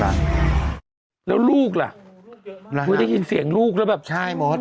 แล้วลูกล่ะลูกเยอะมากเพราะว่าได้ยินเสียงลูกแล้วแบบใช่โหมด